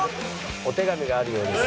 お手紙があるようです。